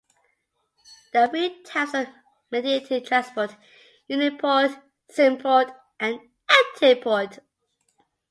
There are three types of mediated transport: uniport, symport, and antiport.